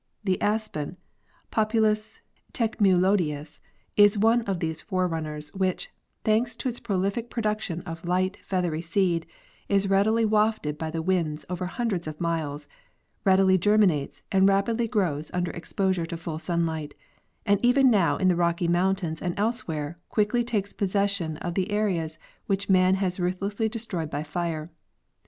The aspen (Populus tremyloides) is one of these forerunners, which, thanks to its prolific production of light feathery seed, is readily wafted by the winds over hundreds of miles, readily germinates and rapidly grows under exposure to full sunlight, and even now in the Rocky mountains and elsewhere quickly takes possession of the areas which man has ruthlessly destroyed by fire.